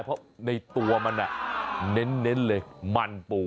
เพราะในตัวมันเน้นเลยมันปู